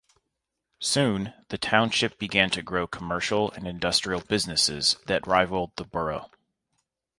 Soon, the Township began to grow commercial and industrial businesses that rivalled the Borough.